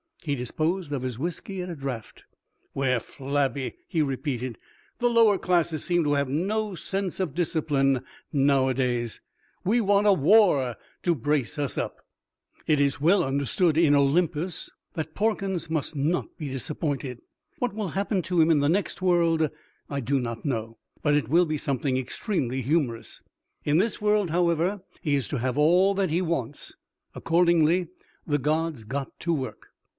He disposed of his whisky at a draught. "We're flabby," he repeated. "The lower classes seem to have no sense of discipline nowadays. We want a war to brace us up." It is well understood in Olympus that Porkins must not be disappointed. What will happen to him in the next world I do not know, but it will be something extremely humorous; in this world, however, he is to have all that he wants. Accordingly the gods got to work.